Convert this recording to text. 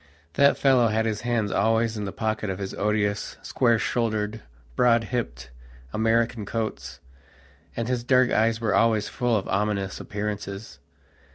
That fellow had his hands always in the pockets of his odious, square shouldered, broad hipped, American coats, and his dark eyes were always full of ominous appearances.